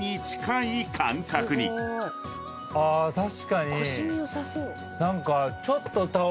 あ確かに。